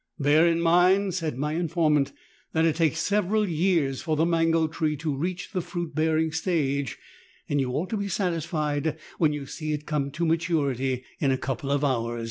" Bear in mind," said my informant, "that it takes several years for the mango tree to reach the fniit bearing stage, and you ought to be satisfied when you see it come to maturity in a couple of hours."